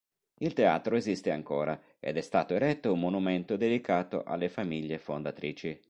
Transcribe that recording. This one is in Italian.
Il teatro esiste ancora ed è stato eretto un monumento dedicato alle famiglie fondatrici.